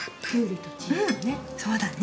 そうだね。